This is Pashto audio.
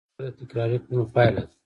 کرکټر د تکراري کړنو پایله ده.